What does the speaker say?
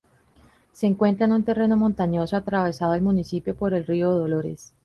Se encuentra en un terreno montañoso, atravesado el municipio por el río Dolores.